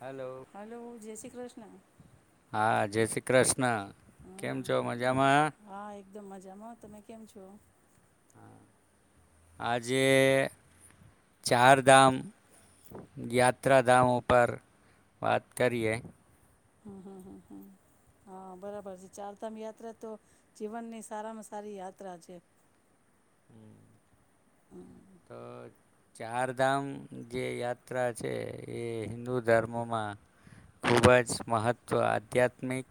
Hello hello જય શ્રી કૃષ્ણ હા જય શ્રી કૃષ્ણ કેમ છો મજામાં. હમ હા એકદમ મજામાં તમે કેમ છો? આજે ચારધામ યાત્રાધામ ઉપર વાત કરીએ. હમ હમ હમ હમ હા બરાબર છે ચારધામ યાત્રા તો જીવનની સારામાં સારી યાત્રા છે. હમ. તો ચારધામ જે યાત્રા છે એ હિન્દુ ધર્મમાં ખુબ જ મહત્વ આધ્યાત્મિક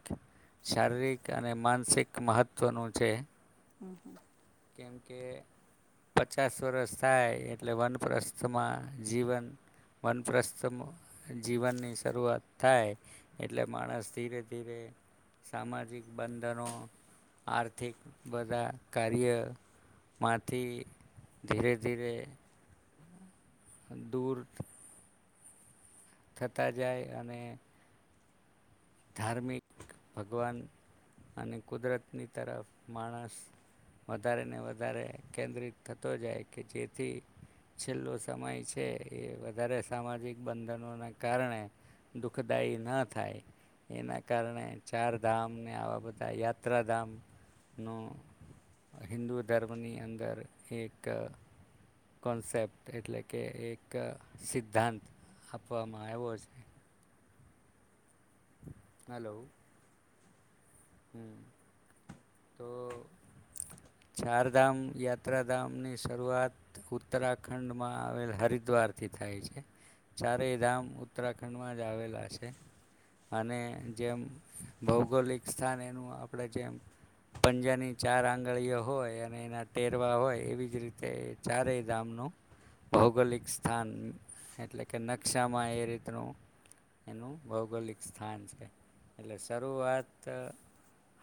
શારીરિક અને માનસિક મહત્વનું છે. હમ હમ. કેમકે પચાસ વરષ થાય એટલે વનપ્રસ્થમાં જીવન વનપ્રસ્થ જીવનની શરૂઆત થાય એટલે માણસ ધીરે ધીરે સામાજિક બંધનો આર્થિક બધા કાર્ય માથી ધીરે ધીરે દૂર થતા જાય અને ધાર્મિક ભગવાન અને કુદરતની તરફ માણસ વધારે ને વધારે કેન્દ્રિત થતો જાય કે જેથી છેલ્લો સમય છે એ વધારે સામાજિક બંધનોના કારણે દુઃખદાયી ન થાય. એના કારણે ચારધામને આવા બધા યાત્રાધામનું હિન્દુ ધર્મની અંદર એક કોન્સેપ્ટ એટલે કે એક સિદ્ધાંત આપવામાં આવ્યો છે. હલો. હ તો ચારધામ યાત્રાધામ ની શરૂઆત ઉત્તરાખંડમાં આવેલ હરિદ્વારથી થાય છે ચારેય ધામ ઉત્તરાખંડમાં જ આવેલા છે અને જેમ ભૌગોલિક સ્થાન એનું આપણે જેમ પંજાની ચાર આંગળીઓ હોય અને એના ટેરવા હોય એવી જ રીતે એ ચારેય ધામનું ભૌગોલિક સ્થાન એટલે કે નકશામાં એ રીતનું એનું ભૌગોલિક સ્થાન છે એટલે શરૂઆત તો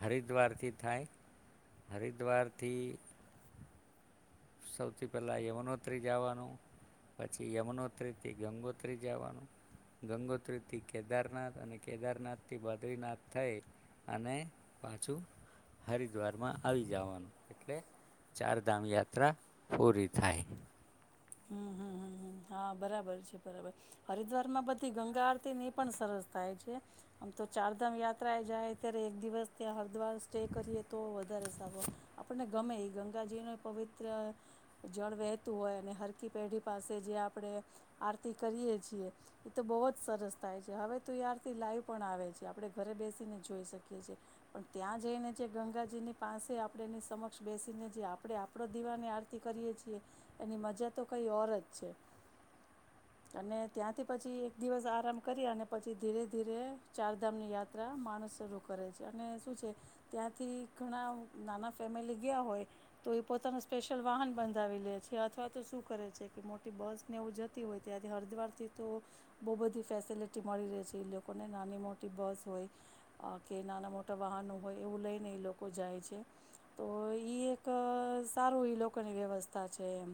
હરિદ્વારથી થાય હરિદ્વારથી સૌથી પહેલા યમનોત્રી જવાનું પછી યમનોત્રી થી ગંગોત્રી જવાનું ગંગોત્રીથી કેદારનાથ અને કેદારનાથ થી બદ્રીનાથ થઈ અને પાછું હરિદ્વારમાં આવી જવાનું એટલે ચારધામ યાત્રા યાત્રા પૂરી થાય. હમ હા બરાબર છે બરાબર હરિદ્વાર માં બધી ગંગા આરતી ની પણ સરસ થાય છે આમ તો ચારધામ યાત્રા એ જાય ત્યારે એક દિવસ ત્યાં હરિદ્વાર સ્ટે કરીએ તો વધારે સારો આપણને ગમે એ ગંગાજી ન પવિત્ર જળ વહેતું હોય અને આખી પેઢી પાસે જયાં આપણે આરતી કરીએ છીએ એ તો બહુ જ સરસ થાય છે. હવે તો એ આરતી લાઈવ પણ આવે છે, આપણે ઘરે બેસીને જોઈ શકીએ છે, પણ ત્યાં જઈને જે ગંગાજીની પાસે આપણે એની સમક્ષ બેસીને જે આપણે આપણો દીવાની આરતી કરીએ છીએ એની મજાજ તો કઈ ઓર જ છે. અને ત્યાંથી પછી એક દિવસ આરામ કરી અને પછી ધીરે ધીરે ચારધામની યાત્રા માણસ શરૂ કરે છે અને શું છે ત્યાંથી ઘણા નાના ફેમિલી ગયા હોય તો એ પોતાનું સ્પેશિયલ વાહન બંધાવી લે છે, અથવા તો શું કરે છે કે મોટી બસને એવું જતી હોય ત્યાંથી હરિદ્વારથી તો બહુ બધી ફેસિલિટી મળી રહે છે, એ લોકોને નાની મોટી બસ હોય, કે નાના મોટા વાહનો હોય એવું લઈને એ લોકો જાય છે તો એક સારું લોકોની વ્યવસ્થા છે એમ.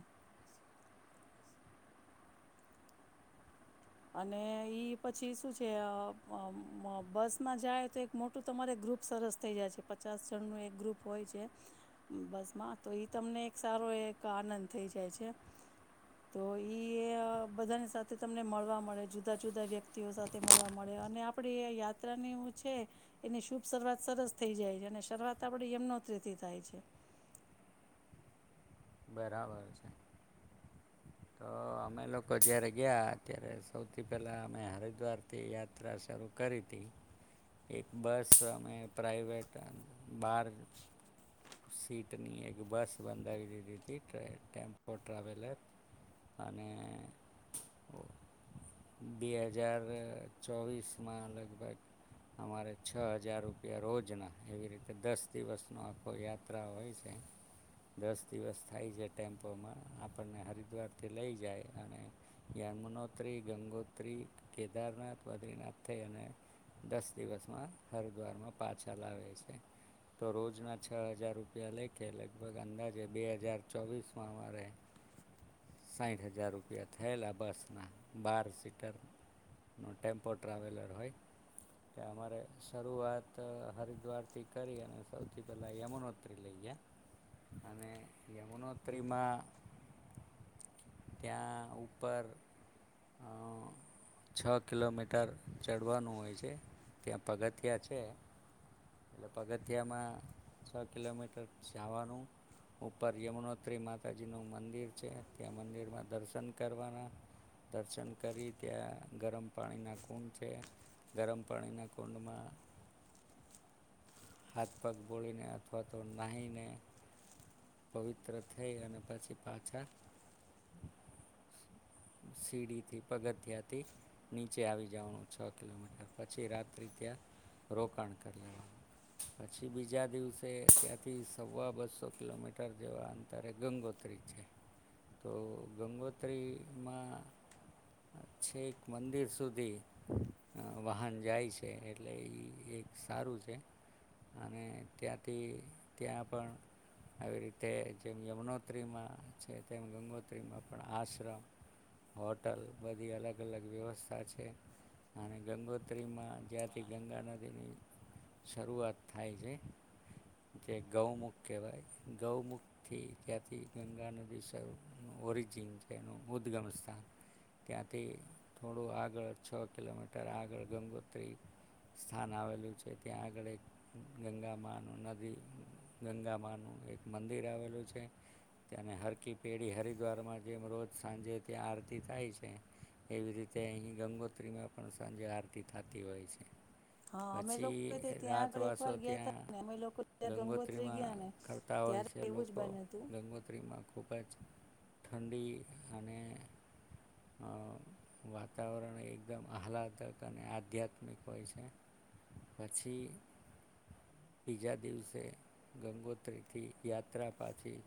અને ઈ પછી શું છે અહ બસમાં જાય તો એક મોટું તમારે ગ્રુપ સરસ થઈ જાય છે પચાસ જણનું એક ગ્રુપ હોય છે બસમાં, તો ઈ તમને એક સારો એક આનંદ થઈ જાય છે. તો ઇએ બધાની સાથે તમને મળવા મળે જુદા જુદા વ્યક્તિઓ સાથે મળવા મળે અને આપડી એ યાત્રાને એવું છે એની શુભ શરૂવાત સરસ થઈ જાય છે અને શરૂઆત આપણી એમનોતરીથી થાય છે. બરાબર છે, તો અમે લોકો જયારે ગયા ત્યારે સૌથી પેલા અમે હરિદ્વાર થી યાત્રા શરૂ કરી તી. એક બસ અમે પ્રાઈવેટ બાર સીટની એક બસ બંધાવી દીધી. [unintelligible] એક ટેમ્પો ટ્રાવેલર અને બે હજાર ચોવીસમાં લગભગ અમારે છ હજાર રૂપિયા રોજના એવી રીતે દસ દિવસનો આખો યાત્રા હોય છે. દસ દિવસ થાય છે. ટેમ્પોમાં આપણને હરિદ્વારથી લઈ જાય અને યમનોત્રી. ગંગોત્રી. કેદારનાથ. બદ્રીનાથ થઈ અને દસ દિવસમાં હરિદ્વારમાં પાછા લાવે છે, તો રોજના છ હજાર રૂપિયા લેખે લગભગ અંદાજે બે હજાર ચોવીસમાં અમારે સાઈઠ હજાર રૂપિયા થયેલા બસના બાર સીટરનો ટેમ્પો ટ્રાવેલર હોય કે અમારે શરૂઆત હરિદ્વારથી કરી અને સૌથી પહેલા યમુનોતરી લઈએ અને યમુનોત્રીમાં ત્યાં ઉપર છ કિલોમીટર ચડવાનું હોય છે, ત્યાં પગથિયા છે, એટલે પગથિયામાં છ કિલોમીટર જાવાનું ઉપર યમુનોત્રી માતાજીનું મંદિર છે ત્યાં મંદિરમાં દર્શન કરવાના, દર્શન કરી ત્યાં ગરમ પાણીની કુંડ છે ગરમ પાણીની કુંડમાં હાથ પગ બોળીને અથવા તો નાહીને પવિત્ર થઈ અને પછી પાછા સીડીથી પગથિયાથી નીચે આવી જવાનું છ કિલોમીટર, પછી રાત્રિ ત્યાં રોકાણ કરી લેવાનું. પછી બીજા દિવસે ત્યાંથી સવા બસો કિલોમીટર ર જેવા અંતરે ગંગોત્રી છે, તો ગંગોત્રીમાં છેક મંદિર સુધી [unintelligible] વાહન જાય છે એટલે એ એક સારું છે અને ત્યાંથી ત્યાં પણ આવી રીતે જેમ યમુનોત્રીમાં છે તેમ ગંગોત્રીમાં પણ આશ્રમ, હોટલ બધી અલગ-અલગ વ્યવસ્થા છે, અને ગંગોત્રીમાં જ્યાંથી ગંગા નદીની શરૂઆત થાય છે તે ગૌમુખ કહેવાય. ગૌમુખથી ત્યાંથી ગંગા નદી શરૂનું ઓરિજિન છે એનું ઉદ્ગમ સ્થાન, ત્યાંથી થોડું આગળ છ કિલોમીટર આગળ ગંગોત્રી સ્થાન આવેલું છે, ત્યાં આગળ એક ગંગામાંનું નદી ગંગામાંનું એક મંદિર આવેલું છે તને હરકી પેઢી હરિદ્વારમાં જેમ રોજ સાંજે ત્યાં આરતી થાય છે, એવી રીતે અહીં ગંગોત્રીમાં પણ સાંજે આરતી થતી હોય છે. હા અમે લોકો પછી બી ત્યાં આગળ એક રાતવાસો વાર ગયા ત્યાં [unintelligible] અમે લોકો ત્યાં ગંગોત્રી ગયા ને તા હોય છે ત્યારે એવું જ લોકો બન્યું હતું ગંગોત્રીમાં ખૂબ જ ઠંડી અને વાતાવરણ એકદમ આહલાદક અને આધ્યાત્મિક હોય છે પછી બીજા દિવસે ગંગોત્રી થી યાત્રા પાછી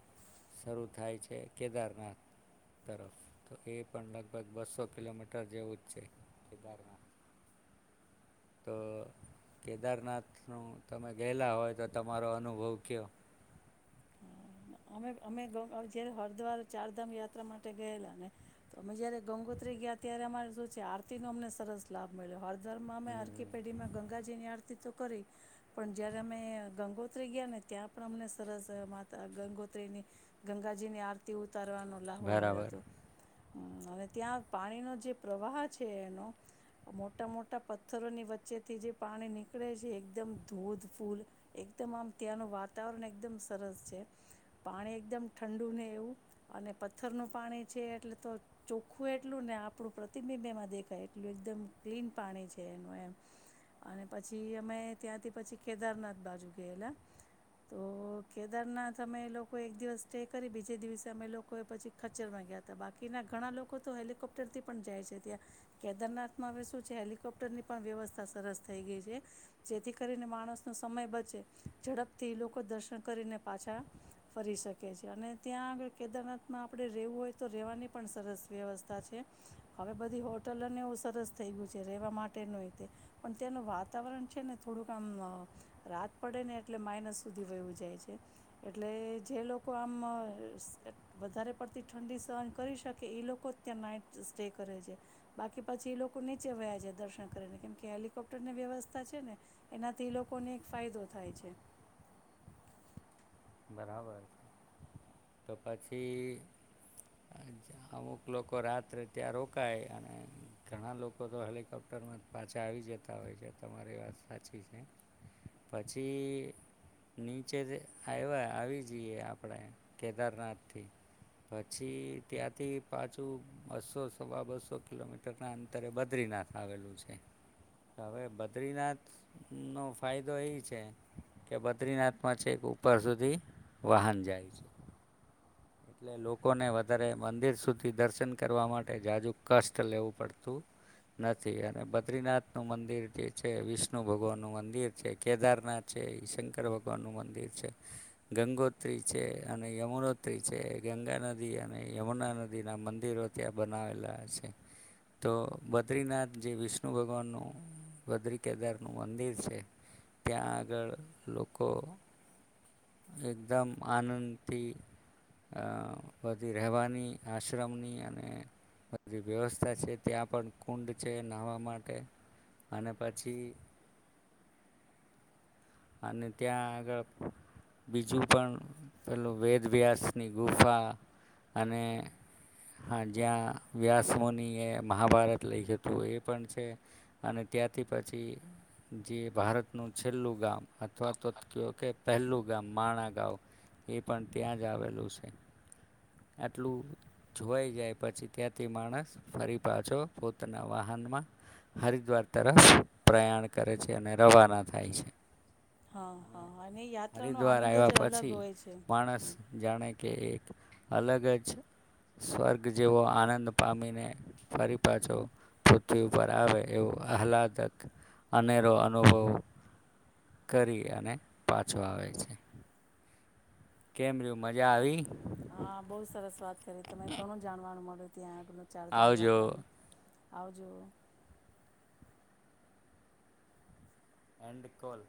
શરૂ થાય છે કેદારનાથ તરફ તો એ પણ લગભગ બસો કિલોમીટર જેવું જ છે કેદારનાથ તો કેદારનાથનું તમે ગયેલા હોય તો તમારો અનુભવ કયો. અમે અમે જયારે હરિદ્વાર ચારધામ યાત્રા માટે ગયેલા ને તો, અમે જયારે ગંગોત્રી ગયા ત્યારે અમારે શું છે આરતી નો અમને સરસ લાભ મળ્યો. ધર માં આરકે પેઢી માં ગંગાજીની આ તો કરી, પણ જયારે અમે ગંગોત્રી ગયા ને ત્યાં પણ અમને સરસ માતા ગંગોત્રી ની ગંગાજીની આરતી ઉત ઉતારવાનો લાહો મળ્યો બરાબર હતો. અને ત્યાં પાણીનો જે પ્રવાહ છે એનો, મોટા મોટા પથ્થરોની વચ્ચેથી જે પાણી નીકળે છે એકદમ ધોધફૂલ એકદમ આમ ત્યાંનું વાતાવરણ એકદમ સરસ છે. પાણી એકદમ ઠંડુ ને એવું, અને પથ્થરનું પાણી છે એટલે તો ચોખ્ખું એટલું ને આપણું પ્રતિબિંબ એમાં દેખાય એટલું એકદમ ક્લીન પાણી છે એનું એમ, અને પછી અમે ત્યાંથી પછી કેદારનાથ બાજુ ગયેલા, તો કેદારનાથ અમે એ લોકો લોકો એક દિવસ સ્ટે કરી બીજે દિવસે અમે લોકોએ પછી ખચરમાં ગયા હતા બાકીના ઘણા લોકો તો હેલિકોપ્ટરથી પણ જાય છે ત્યાં, કેદારનાથમાં હવે શું છે હેલિકોપ્ટરની પણ વ્યવસ્થા સરસ થઈ ગઈ છે, જેથી કરીને માણસનો સમય બચે ઝડપથી લોકો દર્શન કરીને પાછા ફરી શકે છે અને ત્યાં આગળ કેદારનાથમાં આપણે રહેવું હોય તો રહેવાની પણ સરસ વ્યવસ્થા છે, હવે બધી હોટલ અને એવું સરસ થઈ ગયું છે રહેવા માટેનું એ તે, પણ ત્યાંનું વાતાવરણ છે ને થોડુંક આમ, રાત પડે ને એટલે માઇનસ સુધી વવું જાય છે એટલે જે લોકો આમ વધારે પડતી ઠંડી સહન કરી શકે એ લોકો જ ત્યાં નાઈટ સ્ટે કરે છે, બાકી પછી એ લોકો નીચે વ્યા છે દર્શન કરીને કેમકે હેલિકોપ્ટરની વ્યવસ્થા છે ને, એનાથી એ લોકોને એક ફાયદો થાય છે. બરાબર છે, તો પછી અમુક લોકો રાત્રે ત્યાં રોકાય અને ઘણા લોકો તો હેલિકોપ્ટરમાં પાછા આવી જતા હોય છે તમારી વાત સાચી છે, પછી નીચે. આવ્યા આવી જઈએ આપણે કેદારનાથથી, પછી ત્યાંથી પાછું બસો સવા બસો કિલોમીટરના અંતરે બદ્રીનાથ આવેલું છે, હવે બદ્રીનાથનો ફાયદો એ છે, કે બદ્રીનાથમાં છે એક ઉપર સુધી વાહન જાય છે. એટલે લોકોને વધારે મંદિર સુધી દર્શન કરવા માટે જાજુ કષ્ટ લેવું પડતું, નથી અને બદ્રીનાથ નું મંદિર જે છે, વિષ્ણુ ભગવાન નું મંદિર છે, કેદારનાથ છે, શંકર ભગવાન નું મંદિર છે, ગંગોત્રી છે અને યમુનોત્રી છે. જે ગંગા નદી અને યમુના નદીનાં મંદિરો ત્યાં બનાવેલા છે, તો બદ્રીનાથ જે વિષ્ણુ ભગવાનનું બદ્રી કેદારનું મંદિર છે, ત્યાં આગળ લોકો. એકદમ આનંદથી, આ બી રહેવાની આશ્રમની અને બધી વ્યવસ્થા છે ત્યાં પણ કુંડ છે નહવા માટે, અને પછી અને ત્યાં આગળ બીજું પણ પેલું વેદ વ્યાસની ગુફા, અને હા જ્યાં વ્યાસ મુનિએ મહાભારત લઈ હતું એ પણ છે, અને ત્યાંથી પછી જે ભારતનું છેલ્લું ગામ અથવા તો કહો કે પહેલું ગામ માણા ગાવ એ પણ ત્યાં જ આવેલું છે. આટલું જોવાઈ જાય પછી ત્યાંથી માણસ ફરી પાછો પોતાના વાહનમાં હરિદ્વાર તરફ પ્રયાણ કરે છે અને રવાના થાય છે. હા, હા અને યાત્રાનો હરિદ્વાર આનંદ જ આવ્યા અલગ પછી હોય છે. માણસ હમ્મ. જાણે કે એક અલગ જ સ્વર્ગ જેવો આનંદ પામીને ફરી પાછો પૃથ્વી ઉપર આવે એવો આહલાદક અનેરો અનુભવ. કરી અને પાછો આવે છે. કેમ રર્યું મજા આવી? હા બઉુ સરસ વાત કરી તરે ઘણું જાણવાનું મળ્યું. ત્યાં. ચારધામ આવજો યાત્રાનું. આવજો. End call.